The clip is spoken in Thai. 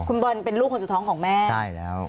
คุณบอลเป็นลูกคนสุดท้องของแม่